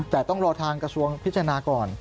แต่ต้องรอทางกระทรวงพิจารณาก่อน